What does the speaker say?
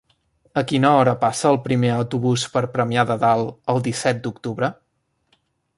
A quina hora passa el primer autobús per Premià de Dalt el disset d'octubre?